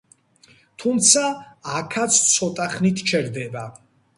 თუმცა აქაც ცოტახნით ჩერდება.